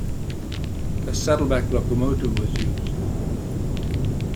A saddleback locomotive was used.